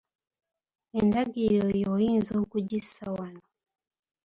Endagiriro yo oyinza okugissa wano.